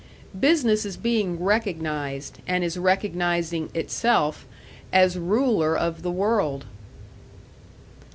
Business is being recognized and is recognizing itself as ruler of the world.